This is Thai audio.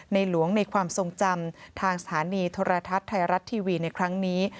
หลวงในความทรงจำทางสถานีโทรทัศน์ไทยรัฐทีวีในครั้งนี้